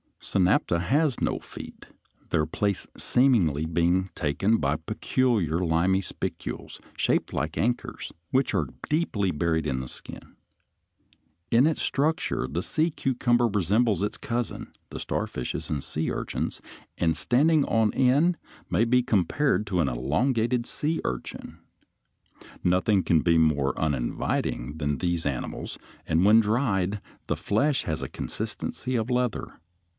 Synapta has no feet, their place seemingly being taken by peculiar limy spicules, shaped like anchors (Fig. 59), which are deeply buried in the skin. In its structure the sea cucumber resembles its cousins the starfishes and sea urchins, and standing on end, may be compared to an elongated sea urchin. Nothing can be more uninviting than these animals, and when dried the flesh has the consistency of leather.